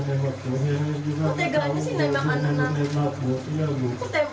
mengapa mereka tega menembak putrinya